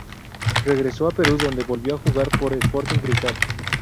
Regresó a Perú donde volvió a jugar por Sporting Cristal.